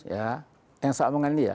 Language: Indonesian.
ya yang saat mengandung ya